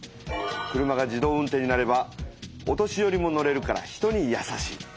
車が自動運転になればお年よりも乗れるから人にやさしい。